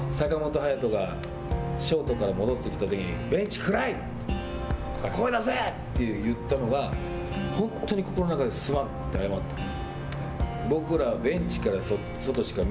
で、坂本勇人がショートから戻ってきたときにベンチ暗い声出せって言ったのが本当に心の中ですまんって謝ったの。